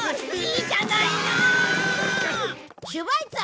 いいじゃない！